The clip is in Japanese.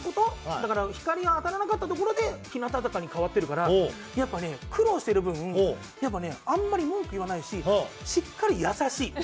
だから光が当たらなかったところで日向坂に変わってるからやっぱね苦労してる分やっぱねあんまり文句言わないししっかり優しい。